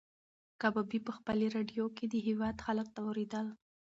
کبابي په خپلې راډیو کې د هېواد حالات اورېدل.